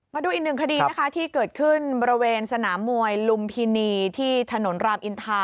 มาดูอีกหนึ่งคดีนะคะที่เกิดขึ้นบริเวณสนามมวยลุมพินีที่ถนนรามอินทา